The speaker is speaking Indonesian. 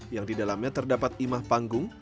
yang di dalamnya terdapat imah panggung